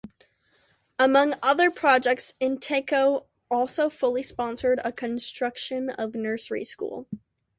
Among other projects, Inteco also fully sponsored a construction of a nursery school.